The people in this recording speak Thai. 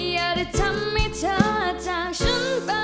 อย่าได้ทำให้เธอจากฉันไป